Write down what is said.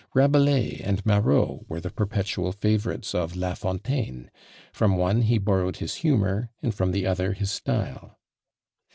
Rabelais and Marot were the perpetual favourites of La Fontaine; from one he borrowed his humour, and from the other his style.